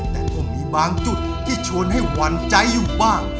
แต่ก็มีบางจุดที่ชวนให้หวั่นใจอยู่บ้าง